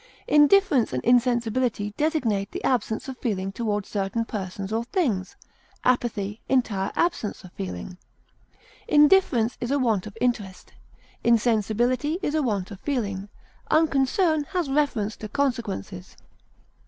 Indifference and insensibility designate the absence of feeling toward certain persons or things; apathy, entire absence of feeling. Indifference is a want of interest; insensibility is a want of feeling; unconcern has reference to consequences.